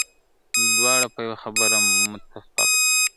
دواړه په یوه خبره متفق دي